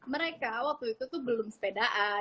mereka waktu itu tuh belum sepedaan